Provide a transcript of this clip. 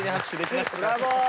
ブラボー！